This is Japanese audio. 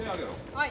はい。